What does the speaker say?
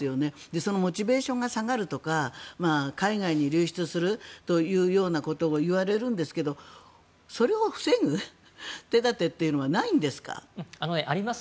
そのモチベーションが下がるとか海外に流出するというようなことを言われるんですけどそれを防ぐ手立てっていうのはあります。